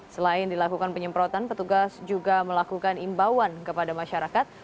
selain dilakukan penyemprotan petugas juga melakukan imbauan kepada masyarakat